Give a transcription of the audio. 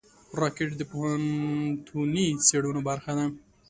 راکټ د پوهنتوني څېړنو برخه ده